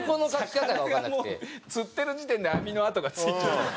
魚がもう釣ってる時点で網の跡がついちゃって。